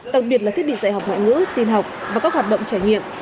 đặc biệt là thiết bị dạy học ngoại ngữ tin học và các hoạt động trải nghiệm